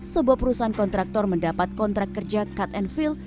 sebuah perusahaan kontraktor mendapat kontrak kerja cut and fill